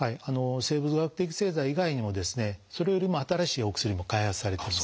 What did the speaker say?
生物学的製剤以外にもそれよりも新しいお薬も開発されています。